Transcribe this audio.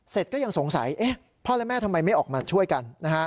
ก็ยังสงสัยพ่อและแม่ทำไมไม่ออกมาช่วยกัน